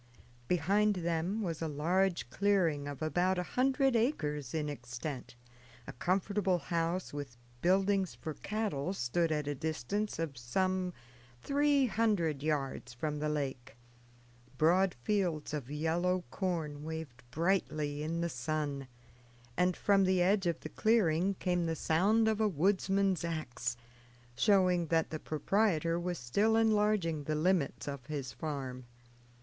Behind them was a large clearing of about a hundred acres in extent; a comfortable house, with buildings for cattle, stood at a distance of some three hundred yards from the lake; broad fields of yellow corn waved brightly in the sun; and from the edge of the clearing came the sound of a woodsman's ax, showing that the proprietor was still enlarging the limits of his farm.